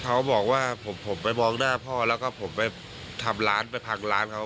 เขาบอกว่าผมไปมองหน้าพ่อแล้วก็ผมไปทำร้านไปพังร้านเขา